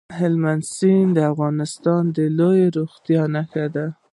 هلمند سیند د افغانستان د لویې زرغونتیا نښه ده.